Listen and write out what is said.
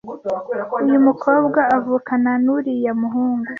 Uyu mukobwa avukana nuriya muhungu